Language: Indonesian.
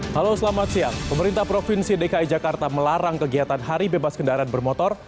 halo selamat siang pemerintah provinsi dki jakarta melarang kegiatan hari bebas kendaraan bermotor